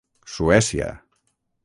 Suècia.